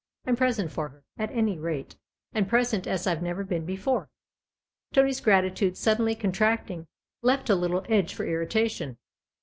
I'm present for her, at any rate, and present as I've never been before." Tony's gratitude, suddenly contracting, left a little edge for irritation.